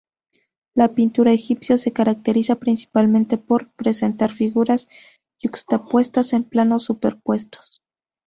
La pintura egipcia se caracteriza principalmente por presentar figuras yuxtapuestas en planos superpuestos.